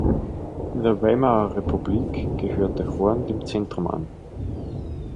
In der Weimarer Republik gehörte Horn dem Zentrum an.